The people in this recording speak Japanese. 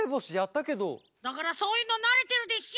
だからそういうのなれてるでしょ！